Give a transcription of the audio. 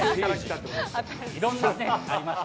いろんな説がありました。